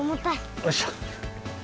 おいしょ。